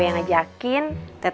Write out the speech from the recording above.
tetangga nggak perlu ngelakuin